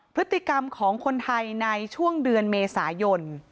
พฤติกรรมของคนไทยในช่วงเดือนเมษายน